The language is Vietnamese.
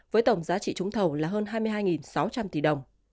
với tổng giá trị trúng thầu là hơn hai mươi hai sáu trăm linh tỷ đồng